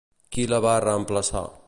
Qui la va reemplaçar?